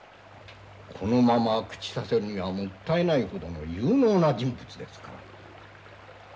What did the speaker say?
このまま朽ちさせるにはもったいないほどの有能な人物ですから。